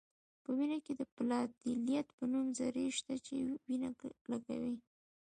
په وینه کې د پلاتیلیت په نوم ذرې شته چې وینه کلکوي